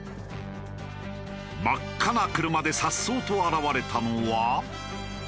真っ赤な車で颯爽と現れたのは。